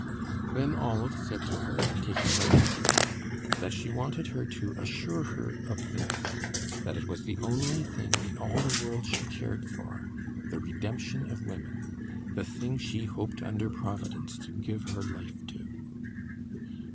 Then Olive said to her, taking her hand again, that she wanted her to assure her of this that it was the only thing in all the world she cared for, the redemption of women, the thing she hoped under Providence to give her life to.